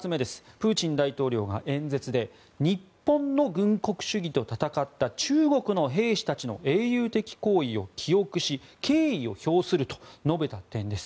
プーチン大統領が演説で日本の軍国主義と戦った中国の兵士たちの英雄的行為を記憶し敬意を表すると述べた点です。